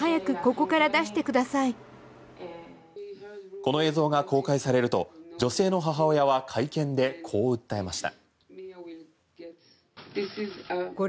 この映像が公開されると女性の母親は会見でこう訴えました。